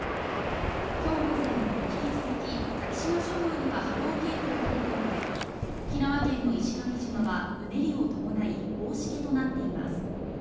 今日午前、引き続き先島諸島には波浪警報が出ていて沖縄県の石垣島はうねりを伴い大しけとなっています。